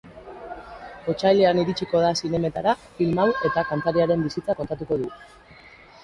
Otsailean iritsiko da zinemetara film hau eta kantariaren bizitza kontatuko du.